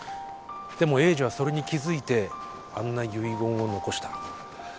でも栄治はそれに気付いてあんな遺言を残した。